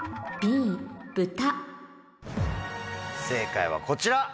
正解はこちら。